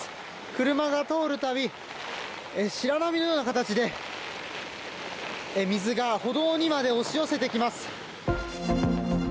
車が通る度、白波のような形で水が歩道にまで押し寄せてきます。